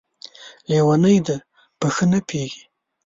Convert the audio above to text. لېونۍ ده ، په ښه نه پوهېږي!